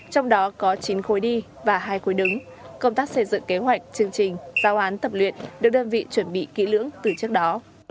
trong đó có chín khối đi và hai khối đứng công tác xây dựng kế hoạch chương trình giao án tập luyện được đơn vị chuẩn bị kỹ lưỡng từ trước đó